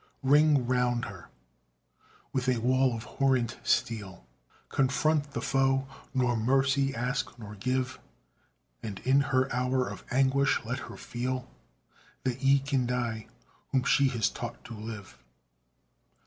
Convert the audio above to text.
Ring round her! with a wall of horrent steel Confront the foe, nor mercy ask nor give; And in her hour of anguish let her feel That ye can die whom she has taught to live.